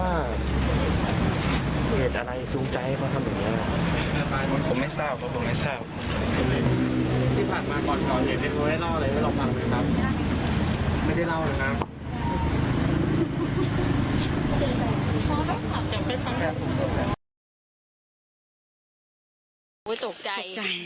โอ้โหตกใจ